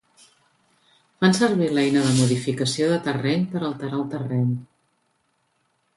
Fan servir l'eina de modificació de terreny per alterar el terreny.